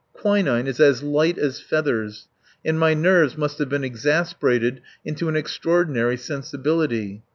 Quinine is as light as feathers; and my nerves must have been exasperated into an extraordinary sensibility.